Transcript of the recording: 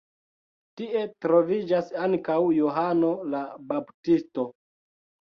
Tie troviĝas ankaŭ Johano la Baptisto.